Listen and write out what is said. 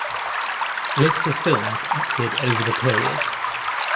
List of films acted over the period.